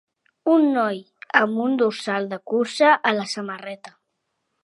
Un noi amb una dorsal de cursa a la samarreta.